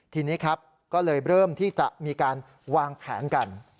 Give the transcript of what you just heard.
ทีนี้ครับก็เลยเริ่มที่จะมีการวางแผนกัน